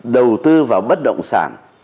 đầu tư vào bất động sản